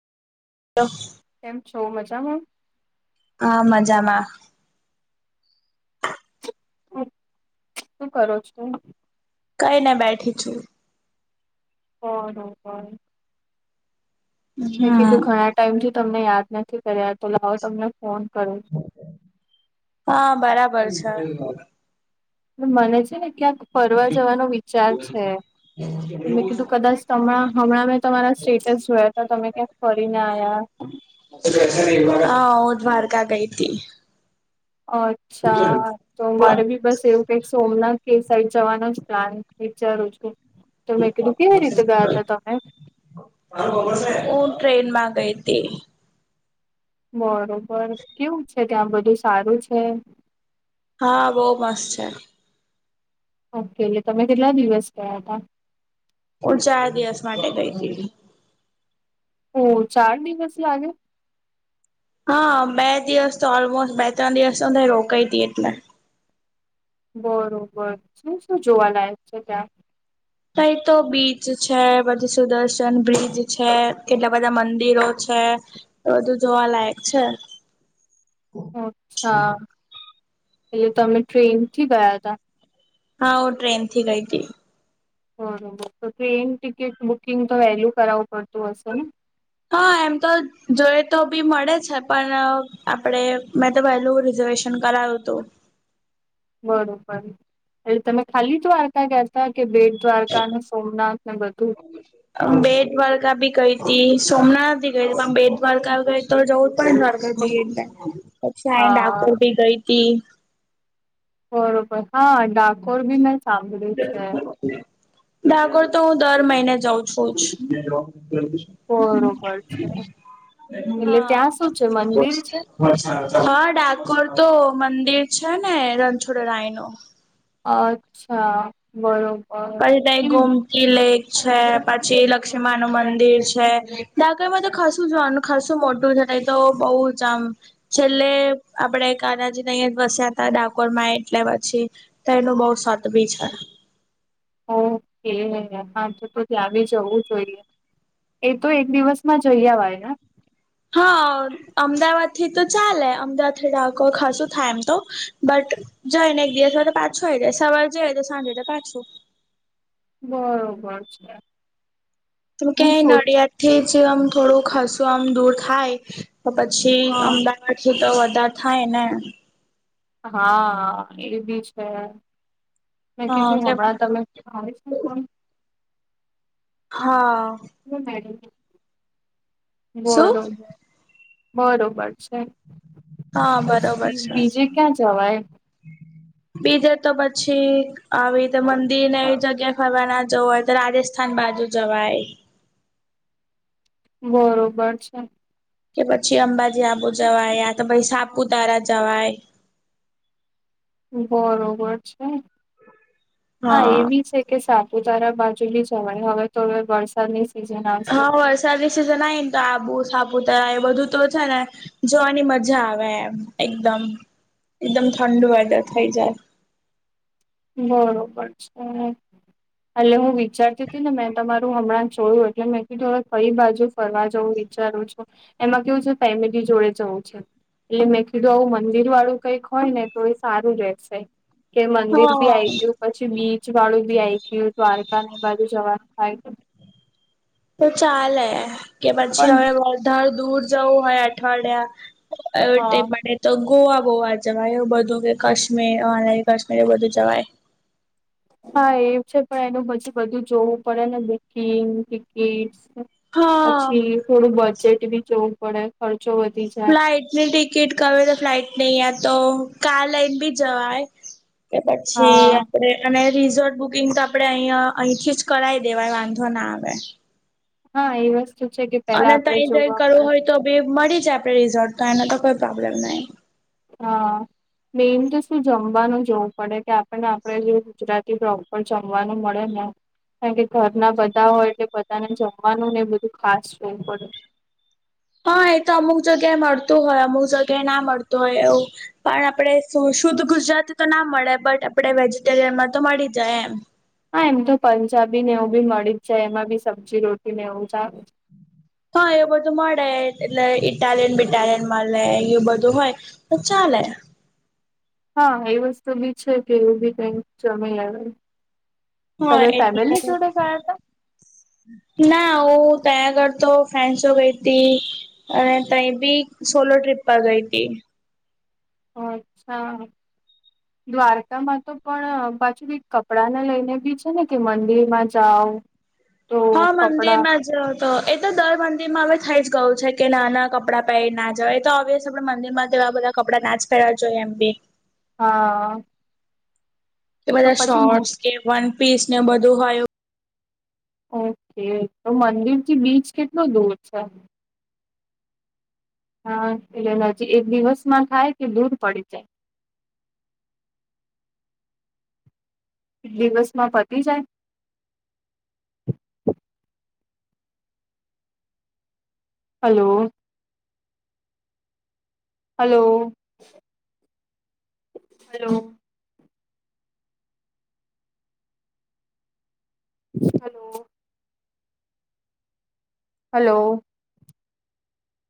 હહ કેમ છો મજામાં? હા મજામાં. શું કરો છો? કઈને બેઠી છું. બરોબર મેં કીધું હમ ઘણા ટાઈમથી તમને યાદ નથી કર્યા, તો લાવો તમને ફોન કરું. હા બરાબર છે. મને છે ને ક્યાંક ફરવા જવાનો વિચાર છે. તો મેં કીધું કદાચ તમણાં, હમણાં મેં તમારા સ્ટેટસ જોયા તા તમે ક્યાંક ફરીને આયા. હા, હું દ્વારકા ગઈતી. અચ્છા. તો મારે બી બસ એવું કંઈક સોમનાથ કે એ સાઈડ જવાનો જ પ્લાન વિચારું છું. તો મેં કીધું કેવી રીતે ગયાતા તમે? હું ટ્રેનમાં ગઈતી. બરોબર. કેવું છે, ત્યાં બધું સારું છે? હા, બહુ મસ્ત છે. ઓકે. એટલે તમે કેટલા દિવસ ગયા તા? હું ચાર દિવસ માટે ગઈતી.. ઓહ, ચાર દિવસ લાગે? હા. બે દિવસ તો ઓલમોસ્ટ, બે તણ દિવસ તો હું ત્યાં રોકાઈ તી એટલે. બરોબર. શું-શું જોવાલાયક છે ત્યાં? કંઈ તો બીચ છે, પછી સુદર્શન બ્રિજ છે, કેટલા બધા મંદિરો છે બધું જોવાલાયક છે. અચ્છા, એટલે તમે ટ્રેન થી ગયા હતા? હા હું ટ્રેન થી ગઈ ગઈ તી. બરોબર. તો ટ્રેન ટિકિટ બુકિંગ તો વહેલું કરાવવું પડતું હશે ને? હા એમ તો જોઈ તો બી મળે છે, પણ આપડે મેં તો વહેલું રિઝર્વેશ શન કરાયું તું. બરોબર. એટલે તમે ખાલી દ્વારકા ગયાતા, કે બેટ દ્વારકા અને સોમનાથ ને બધું? બેટ દ્વારકા ભી ગઈ તી, સોમનાથ ભી ગઈ તી, પણ બેટ દ્વારકા ગઈ તો જઉ પણ હા, [unintelligible] બી ગઈ તી. બરોબર. હા ડાકોર બી મેં સાંભળ્યું છે. ડાકોર તો હું દર મહિને જઉં છું જ. બરોબર છે. એટલે હા. ત્યાં શું છે, મંદિર છે? હા, ડાકોર તો મંદિર છે ને રણછોડરાય નું? અચ્છા. બરોબર. પછી ત્યે કેવી ગોમ તી લેક છે, પછી લક્ષ્મીમા નું મંદિર છે, ડાકોર માં તો ખાસું જોવાનું ખાસું મોટું છે, નહીં તો બહું જ આમ છેલ્લે આપડે કાનાજીને અહિયાં જ વસ્યા તા ડાકોર માં એટલે પછી. તો એનું બહું સત બી છે. ઓકે. હા તો-તો ત્યાં બી જવું જોઈએ. એ તો એક દિવસ માં જઈ અવાય ને? હા. અમદાવાદ થી તો ચાલે, અમદાવાદ થી ડાકોર ખાસું થાય એમ તો, બટ જઈ ને એક દિવસમાં તો પાછું આવી જાય, સવારે જઈએ તો સાંજે તો પાછું. બરોબર છે. તું કે હું ચો નડિયાદ થી જ આમ થોડું ખસું આમ દૂર થાય તો પછી હા અમદાવાદ થી તો વધારે થાય ને. હા એ બી છે. મેં હા કીધું કેમ હમણાં તમે [inaudible] હા. શું બરોબર. બરોબર છે, હા બરોબર પછી છે. બીજે ક્યાં જવાય? બીજે તો પછી આવી રીતે મંદિર ને એ જગ્યા ફરવા ના જવ હોય તો રાજથ થાન બાજુ જવાય. બરોબર છે. કે પછી અંબાજી આબુ જવાય યા તો ભાઈ સાપુતારા જવાય. બરોબર છે હા એવી છે. કે સાપુતારા બાજુની જવાય હવે તો હવે વરસાદની સિઝન આવશે હા એટલે. વરસાદની સિઝન આઈ સાબુ સાપુતારા એ બધું તો છે ને, જોવાની મજા આવે એમ એકદમ. એકદમ ઠંડુ વાર થઇ જાય. બરોબર છે. એટલે હું વિચારતી હતી ને મેં તમારું હમણાં જોયું એટલે મેં કીધું હવે કઈ બાજુ ફરવા જવું વિચારું છું, એમાં કેવું છે ફેમિલી જોડે જવું છે. એટલે મેં કીધું આવું મંદિર વાળું કઈક હોયને તો એ સારું રહેશે, કે મંદિર બી હા આઈ ગયું પછી બીચ વાળું બી આવી ગયું દ્વારકા ની બાજુ જવાનું થાય. તો ચાલે કે પછી પણ હવે વધાર દૂર જવું હોય અઠવાડિયા. હા મળ [unintelligible] તો ગોવા બહુ આ જવાય એવું બધું કે કાશ્મીર કાશ્મીર એ બધું જવાય. હા એ છે પણ એનું પછી બધું જોવું પડે ને બુકિંગ ટિકિટસ. હા પછી થોડું બજેટ બી જવું પડે ખર્ચો વધી જાય. ફ્લાઇટ ની ટિકિટ કમે તો ફ્લાઇટ નહી તો કાર લઈને બી જવાય. કે પછી હા આપ અને રિઝોર્ટ બુકિંગ તો આપડે અહીં અહીંથી જ કરાય દેવાય વાંધો ના આવે. હા એ વસ્તુ છે કે પેલા અને આપડે તઈ જઈ જોવું આપે કરવું હોય તો મળી જાય આપડે રિઝોર્ટ તો એનો તો કોઈ પ્રોબ્લેમ નહી. હા. મેઈન તો શું જમવાનું જોવું પડે કે આપણને આપણેે જે ગુજરાતી પ્રોપર જમવાનું મળે ને. કારણ કે ઘરના બધા હોય એટલે બધાને જમવાનું ને એ બધું ખાસ જોવું પડે. હા એ તો અમુક જગ્યાએ મળતું હોય અમુક જગ્યાએ ના મળતું હોય એવું. પણ આપણે શુદ્ધ ગુજરાતી તો ના મળે બટ આપણે વેજીટેરિયનમાં તો મળી જાય એમ. હા એમ તો પંજાબી ને એવું બી મળી જાય એમાં બી સબ્જી રોટી ને એવું. હા એવું બધું મળે એટલે ઇટાલિયન બિટાલિયન મળે એ બધું હોય. તો ચાલે. હા એ વસ્તુ બી છે કે એવું બી કઈક જય આવે. હા તમે ફેમિલી એટલે જોડે ગયા હતા? ના હું તયા કરતો ફેન્સો ગઈ હતી. અને તઈ બી સોલો ટ્રિપ પર ગઈ હતી. અચ્છા. દ્વારકામાં તો પણ પાછુ બી કપડાને લઈને બી છે ને કે મંદિરમાં જાવ. [unintelligible] હા મંદિર માજ તો એ તો દર મંદિર માં હવે થઈ જ ગયું છે કે ના ના કપડાં પહેરી ના જાવ એ તો અવેસ આપે મંદિરમાં તેવા બધા કપડા નાચ કરવા જોઈએ એમ બી. હા. કે તો બધા પછી શોર્ટસ કે વન પીસને બધું હોય. ઓકે તો મંદિરથી બીચ કેટલો દૂર છે? હા એટલે નજી એક દિવસમાં થાય કે દૂર પડી જાય? દિવસમાં પતી જાય? હલોલો હલો -હલો હલો હલો